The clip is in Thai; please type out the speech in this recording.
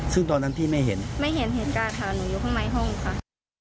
ซึ่งตอนนั้นพี่ไม่เห็นไม่เห็นเหตุการณ์ค่ะหนูอยู่ข้างในห้องค่ะ